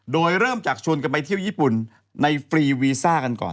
โดยเริ่มจากชวนกันไปเที่ยวญี่ปุ่นในฟรีวีซ่ากันก่อน